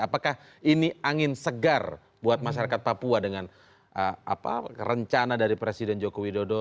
apakah ini angin segar buat masyarakat papua dengan rencana dari presiden joko widodo